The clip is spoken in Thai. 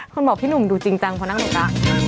คนบอกพี่หนุ่มดูจริงจังพอนั่งหนูกละ